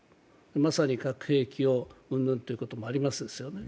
まさに核兵器を云々ということもありますよね。